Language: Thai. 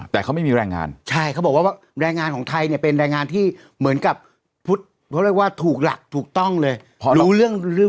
แต่เขาไม่มีแรงงานใช่เขาบอกว่าแรงงานของไทยเนี่ยเป็นแรงงานที่เหมือนกับพุทธเขาเรียกว่าถูกหลักถูกต้องเลยพอรู้เรื่อง